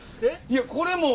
いやこれも。